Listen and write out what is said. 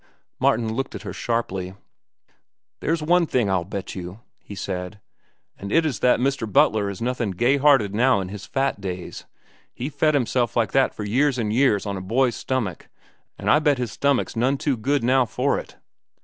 Martin looked at her sharply. "There's one thing I'll bet you," he said, "and it is that Mr. Butler is nothin' gay hearted now in his fat days. He fed himself like that for years an' years, on a boy's stomach, an' I bet his stomach's none too good now for it."